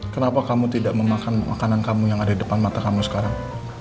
kenapa kamu tidak memakan makanan kamu yang ada di depan mata kamu sekarang